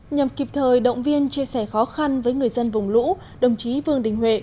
nhằm kịp thời động viên chia sẻ khó khăn với người dân vùng lũ đồng chí vương đình huệ